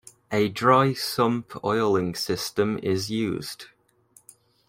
A dry sump oiling system is used.